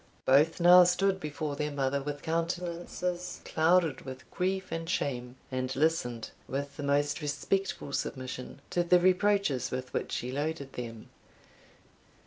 Both now stood before their mother with countenances clouded with grief and shame, and listened, with the most respectful submission, to the reproaches with which she loaded them.